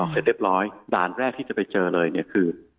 เสร็จเรียบร้อยด่านแรกที่จะไปเจอเลยเนี่ยคือ